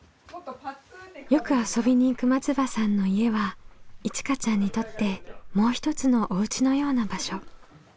よく遊びに行く松場さんの家はいちかちゃんにとってもう一つのお家のような場所。